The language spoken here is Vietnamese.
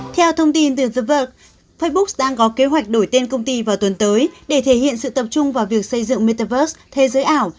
theo thông tin từ facebook đang có kế hoạch đổi tên công ty vào tuần tới để thể hiện sự tập trung vào việc xây dựng metavers thế giới ảo